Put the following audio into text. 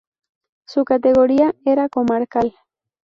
Su categoría era comarcal.